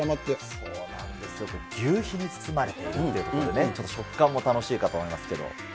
そうなんですよ、求肥に包まれているということでね、ちょっと食感も楽しいかと思いますけど。